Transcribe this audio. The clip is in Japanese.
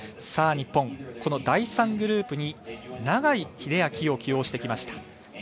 日本、この第３グループに永井秀昭を起用してきました。